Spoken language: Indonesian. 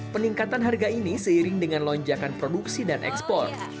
peningkatan harga ini seiring dengan lonjakan produksi dan ekspor